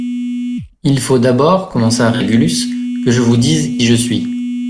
Il faut d'abord, commença Régulus, que je vous dise qui je suis.